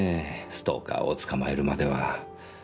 ストーカーを捕まえるまでは。